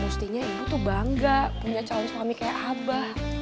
mestinya ibu tuh bangga punya calon suami kayak abah